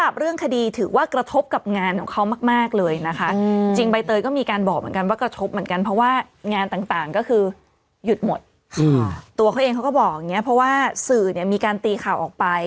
เพราะว่าสื่อมีการตีข่าวออกไป